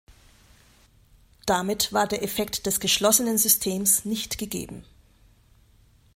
Damit war der Effekt des „geschlossenen Systems“ nicht gegeben.